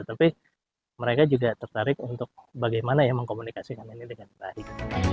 tapi mereka juga tertarik untuk bagaimana ya mengkomunikasikan ini dengan baik